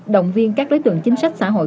động viên các đối tượng chính sách xã hội